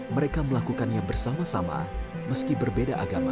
mereka melakukannya bersama sama meski berbeda agama